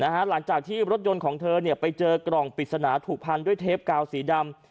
หลังจากที่รถยนต์ของเธอไปเจอกล่องปริศนาถูกพันด้วยเทปกาวสีดำ